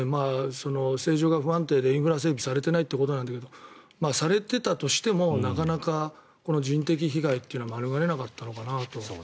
政情が不安定でインフラ整備されていないということなんだけどされていたとしてもなかなかこの人的被害というのは免れなかったのかなと。